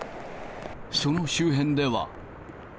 その周辺では。